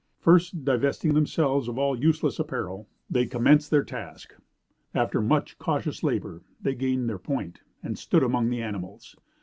First divesting themselves of all useless apparel, they commenced their task. After much cautious labor they gained their point and stood among the animals.